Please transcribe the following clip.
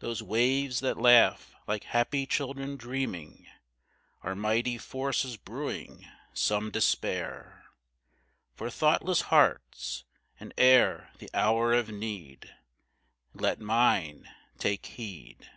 Those waves that laugh like happy children dreaming, Are mighty forces brewing some despair For thoughtless hearts, and ere the hour of need, Let mine take heed.